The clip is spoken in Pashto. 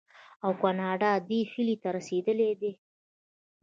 او کاناډا دې هیلې ته رسیدلې ده.